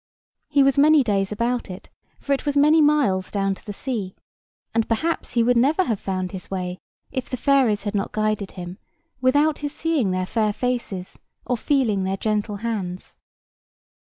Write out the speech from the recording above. He was many days about it, for it was many miles down to the sea; and perhaps he would never have found his way, if the fairies had not guided him, without his seeing their fair faces, or feeling their gentle hands.